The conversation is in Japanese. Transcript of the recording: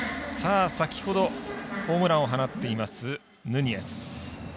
先ほどホームランを放っていますヌニエス。